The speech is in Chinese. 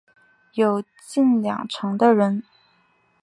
有近两成的人